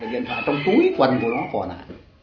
điện thoại trong túi quần của nó khỏi nạ